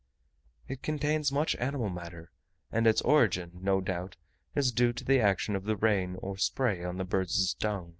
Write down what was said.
It contains much animal matter, and its origin, no doubt, is due to the action of the rain or spray on the birds' dung.